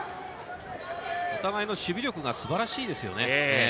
お互いの守備力がすばらしいですよね。